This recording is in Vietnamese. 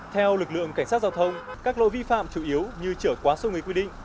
theo lực lượng cảnh sát giao thông các lỗi vi phạm chủ yếu như trở quá số người quy định